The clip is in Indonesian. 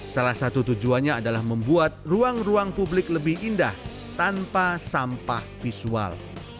salah satu tujuannya adalah membuat ruang ruang publik lebih indah tanpa sampah visual